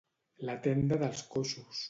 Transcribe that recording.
La tenda dels coixos.